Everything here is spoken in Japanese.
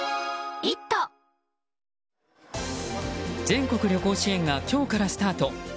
全国旅行支援が今日からスタート。